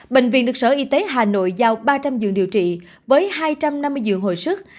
bệnh viện được sở y tế hà nội giao ba trăm linh giường điều trị với hai trăm năm mươi giường hồi sức